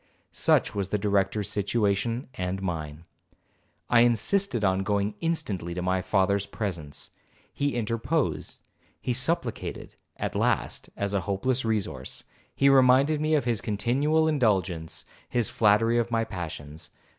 Such was the Director's situation and mine. I insisted on going instantly to my father's presence. He interposed, he supplicated; at last, as a hopeless resource, he reminded me of his continual indulgence, his flattery of my passions.